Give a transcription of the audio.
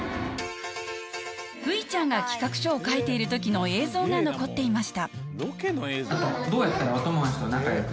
ういちゃんが企画書を書いている時の映像が残っていました